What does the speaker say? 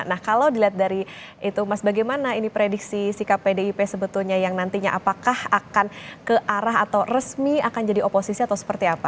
nah kalau dilihat dari itu mas bagaimana ini prediksi sikap pdip sebetulnya yang nantinya apakah akan ke arah atau resmi akan jadi oposisi atau seperti apa